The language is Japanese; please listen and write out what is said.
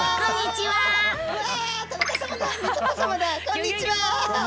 こんにちは！